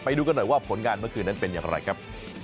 ดูกันหน่อยว่าผลงานเมื่อคืนนั้นเป็นอย่างไรครับ